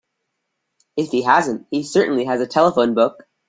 If he hasn't he certainly has a telephone book.